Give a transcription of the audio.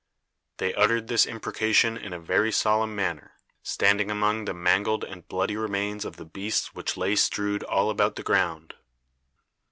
They uttered this imprecation in a very solemn manner, standing among the mangled and bloody remains of the beasts which lay strewed all about the ground.